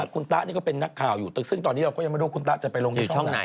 คุณตะนี่ก็เป็นนักข่าวอยู่ซึ่งตอนนี้เราก็ยังไม่รู้ว่าคุณตะจะไปลงอยู่ช่องไหน